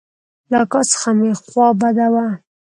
له اکا څخه مې خوا بده وه.